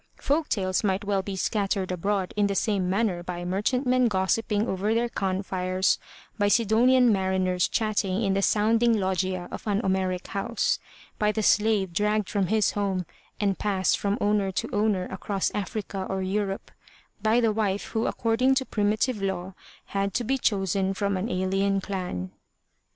Folk tales might well' be scattered abroad in the same manner by merchantmen gossiping over their Khan fires, by Sidonian mariners chatting in the sounding loggia of an Homeric house, by the slave dragged from his home and passed from owner to owner across Africa or Europe, by the wife who according to primitive law had to be chosen from an alien clan.''